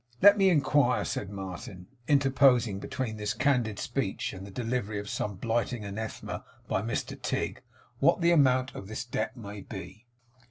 'Let me inquire,' said Martin, interposing between this candid speech and the delivery of some blighting anathema by Mr Tigg, 'what the amount of this debt may be?